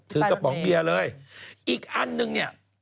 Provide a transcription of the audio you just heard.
กระป๋องเบียร์เลยอีกอันนึงเนี่ย